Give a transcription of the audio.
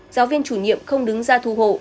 giáo viên chủ nhiệm không đứng ra thu hộ